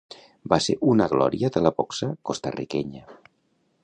Va ser una glòria de la boxa costa-riquenya.